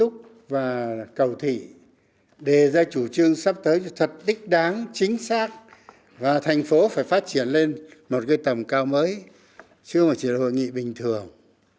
cầu thị đề ra chủ trương sắp tới cho thật đích đáng chính xác và thành phố phải phát triển lên một cây tầm cao mới chứ không chỉ là hội nghị bình thường